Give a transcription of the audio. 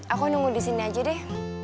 aku nunggu disini aja deh